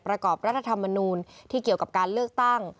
ประกอบรัฐธรรมนูลที่เกี่ยวกับการเลือกตั้ง